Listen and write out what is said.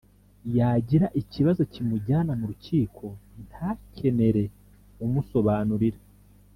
yagira ikibazo kimujyana mu rukiko ntakenere umusobanurira